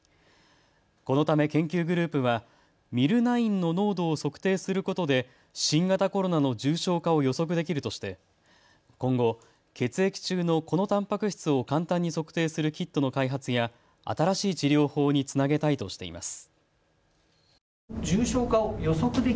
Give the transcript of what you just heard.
このため研究グループはＭｙｌ９の濃度を測定することで新型コロナの重症化を予測できるとして今後、血液中のこのたんぱく質を簡単に測定するキットの開発や新しい治療法につなげたいとしています。